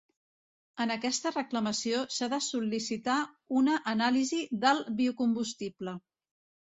En aquesta reclamació s'ha de sol·licitar una anàlisi del biocombustible.